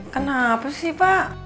kenapa sih pak